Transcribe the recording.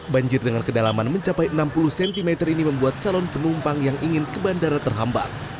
banjir dengan kedalaman mencapai enam puluh cm ini membuat calon penumpang yang ingin ke bandara terhambat